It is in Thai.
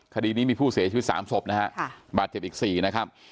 คดีนี้มีผู้เสียชีวิต๓ศพนะฮะบาดเจ็บอีก๔นะครับ